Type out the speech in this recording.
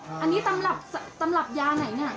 อันนี้ตำหรับยาไหนน่ะ